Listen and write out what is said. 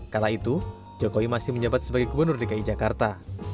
kala itu jokowi masih menjabat sebagai gubernur dki jakarta